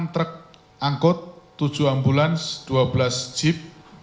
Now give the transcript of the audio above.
enam truk angkut tujuh ambulans dua belas jeep